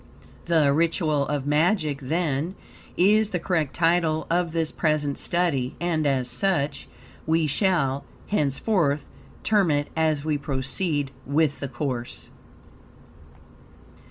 The ritual of magic, then, is the correct title of this present study, and as such, we shall, henceforth, term it as we proceed with the course.